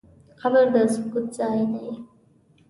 قبر د سکوت ځای دی.